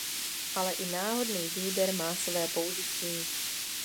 Ale i náhodný výběr má své použití.